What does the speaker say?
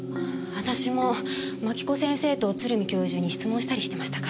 私も槙子先生と鶴見教授に質問したりしてましたから。